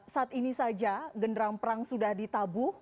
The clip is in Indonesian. saat ini saja genderang perang sudah ditabuh